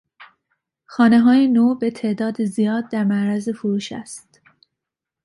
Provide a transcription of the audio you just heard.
خانههای نو به تعداد زیاد در معرض فروش است.